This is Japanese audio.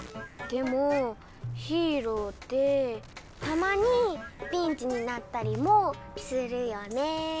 でもヒーローってたまにピンチになったりもするよね。